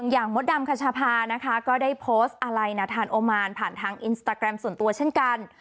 มดดำคัชภานะคะก็ได้โพสต์อะไรนาธานโอมานผ่านทางอินสตาแกรมส่วนตัวเช่นกัน